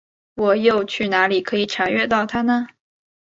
我又去哪里可以查阅到它呢？